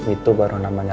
itu baru namanya